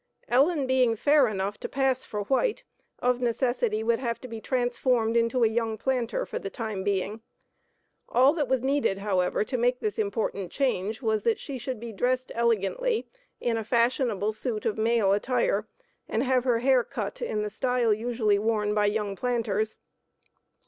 Ellen being fair enough to pass for white, of necessity would have to be transformed into a young planter for the time being. All that was needed, however, to make this important change was that she should be dressed elegantly in a fashionable suit of male attire, and have her hair cut in the style usually worn by young planters.